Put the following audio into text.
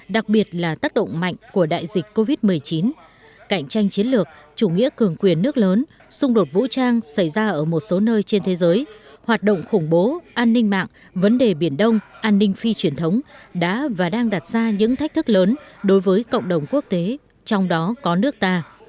đặc biệt là tác động mạnh của đại dịch covid một mươi chín cạnh tranh chiến lược chủ nghĩa cường quyền nước lớn xung đột vũ trang xảy ra ở một số nơi trên thế giới hoạt động khủng bố an ninh mạng vấn đề biển đông an ninh phi truyền thống đã và đang đặt ra những thách thức lớn đối với cộng đồng quốc tế trong đó có nước ta